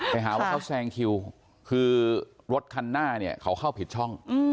ไปหาว่าเขาแซงคิวคือรถคันหน้าเนี่ยเขาเข้าผิดช่อง